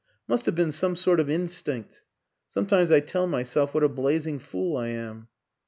Must have been some sort of instinct. ... Sometimes I tell my self what a blazing fool I am.